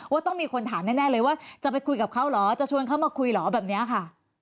ว่าต้องมีคนถามแน่เลยว่าจะไปคุยกับเขาเหรอจะชวนเขามาคุยเหรอแบบนี้ค่ะ